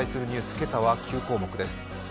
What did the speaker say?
今朝は９項目です。